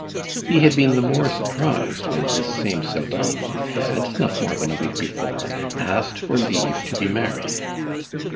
He had been the more surprised when this same Pseldonimov had not more than a week before asked for leave to be married.